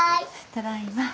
ただいま。